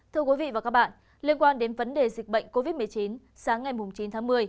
thưa quý vị và các bạn liên quan đến vấn đề dịch bệnh covid một mươi chín sáng ngày chín tháng một mươi